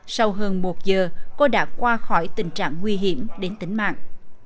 sau hơn một giờ cô đã qua khỏi tình trạng nguy hiểm đến tính mạng